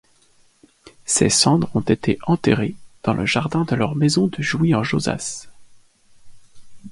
Ses cendres ont été enterrées dans le jardin de leur maison de Jouy-en-Josas.